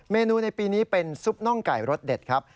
เมนูในปีนี้เป็นซุปน่องไก่รสเด็ดครับ